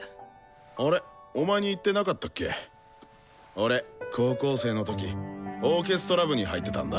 俺高校生の時オーケストラ部に入ってたんだ。